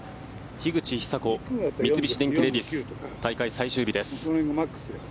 樋口久子三菱電機レディス大会最終日です。